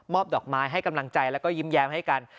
ดอกไม้ให้กำลังใจแล้วก็ยิ้มแย้มให้กัน